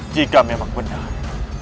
jika memang benar